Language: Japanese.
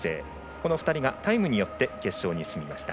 この２人がタイムによって決勝に進みました。